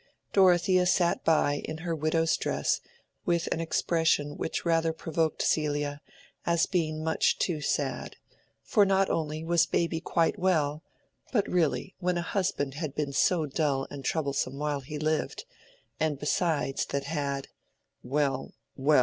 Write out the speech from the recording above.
Dorothea sat by in her widow's dress, with an expression which rather provoked Celia, as being much too sad; for not only was baby quite well, but really when a husband had been so dull and troublesome while he lived, and besides that had—well, well!